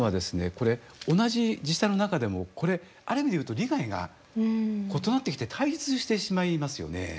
これ同じ自治体の中でもこれある意味で言うと利害が異なってきて対立してしまいますよね。